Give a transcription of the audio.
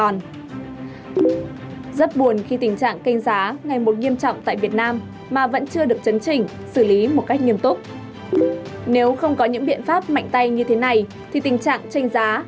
nếu không có những biện pháp mạnh tay như thế này thì tình trạng tranh giá